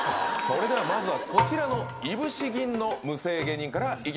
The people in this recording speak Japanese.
それではまずはこちらのいぶし銀の無声芸人からいきましょう。